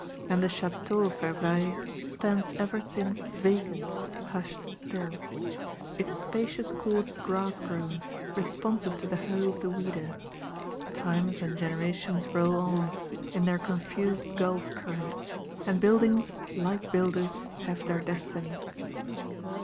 And the Château of Versailles stands ever since vacant, hushed still; its spacious Courts grassgrown, responsive to the hoe of the weeder. Times and generations roll on, in their confused Gulf current; and buildings like builders have their destiny.